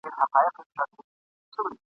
که جوار غنم سي بند اووه کلونه !.